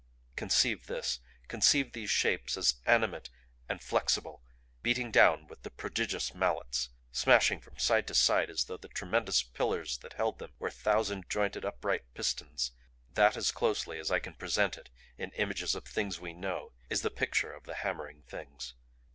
Conceive this conceive these Shapes as animate and flexible; beating down with the prodigious mallets, smashing from side to side as though the tremendous pillars that held them were thousand jointed upright pistons; that as closely as I can present it in images of things we know is the picture of the Hammering Things.